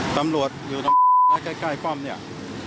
ตำรวจอยู่ตรงนี้ใกล้ป้อมเนี่ย